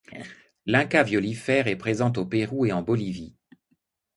L'Inca violifère est présente au Pérou et en Bolivie.